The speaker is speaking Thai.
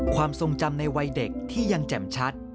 ความทรงจำในวัยเด็กที่ยังแจ่มชัด